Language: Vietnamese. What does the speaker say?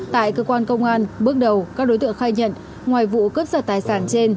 tại cơ quan công an bước đầu các đối tượng khai nhận ngoài vụ cướp giật tài sản trên